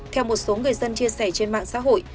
theo một số người dân chia sẻ trên mạng xã hội